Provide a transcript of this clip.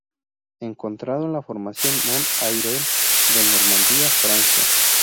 Encontrado en la Formación Moon-Airel de Normandía, Francia.